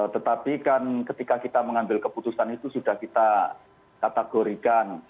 tetapi kan ketika kita mengambil keputusan itu sudah kita kategorikan